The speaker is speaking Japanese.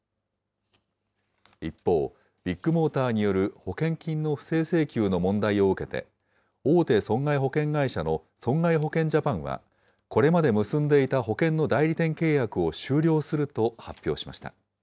一方、ビッグモーターによる保険金の不正請求の問題を受けて、大手損害保険会社の損害保険ジャパンは、これまで結んでいた保険の代理店契約を終了すると発表しました。